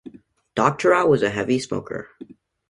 Doctorow was a heavy smoker.